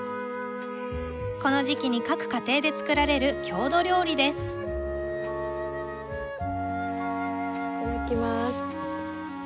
この時期に各家庭で作られる郷土料理ですいただきます。